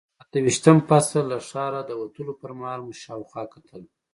اته ویشتم فصل، له ښاره د وتلو پر مهال مو شاوخوا کتل.